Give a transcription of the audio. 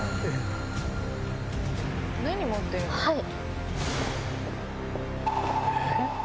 はい。